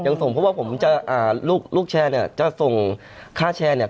ส่งเพราะว่าผมจะอ่าลูกแชร์เนี่ยจะส่งค่าแชร์เนี่ย